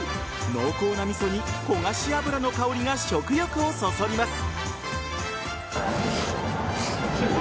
濃厚な味噌に焦がし油の香りが食欲をそそります。